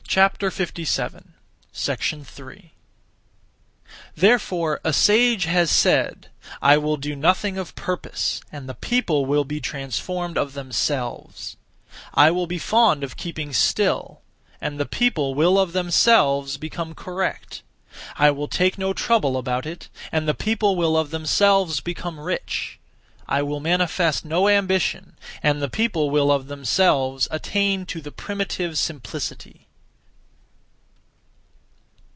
Therefore a sage has said, 'I will do nothing (of purpose), and the people will be transformed of themselves; I will be fond of keeping still, and the people will of themselves become correct. I will take no trouble about it, and the people will of themselves become rich; I will manifest no ambition, and the people will of themselves attain to the primitive simplicity.'